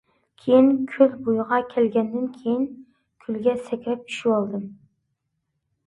كېيىن كۆل بويىغا كەلگەندىن كېيىن كۆلگە سەكرەپ چۈشىۋالىدۇ.